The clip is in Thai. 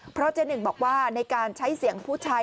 เพราะเจ๊หนึ่งบอกว่าในการใช้เสียงผู้ชาย